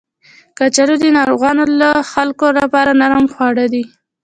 کچالو د ناروغو خلکو لپاره نرم خواړه دي